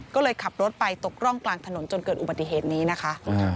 ก็เลยขับรถไปตกร่องกลางถนนจนเกิดอุบัติเหตุนี้นะคะ